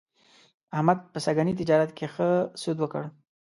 احمد په سږني تجارت کې ښه سود وکړ.